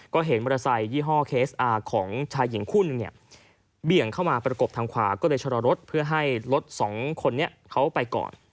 ก็เห็นมอเตอร์ไซค์ยี่ห้อเคสอาร์ของชายหญิงคู่นึงเนี่ยเบี่ยงเข้ามาประกบทางขวาก็เลยชะลอรถเพื่อให้รถสองคนนี้เขาไปก่อน